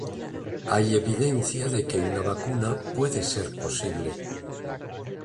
Hay evidencia de que una vacuna puede ser posible.